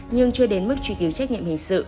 nhưng chưa đến mức truy cứu trách nhiệm hình sự